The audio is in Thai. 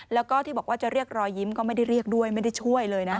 แล้วก็ที่บอกว่าจะเรียกรอยยิ้มก็ไม่ได้เรียกด้วยไม่ได้ช่วยเลยนะ